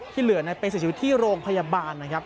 เหลือไปเสียชีวิตที่โรงพยาบาลนะครับ